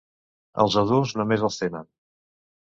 Els adults només els tenen.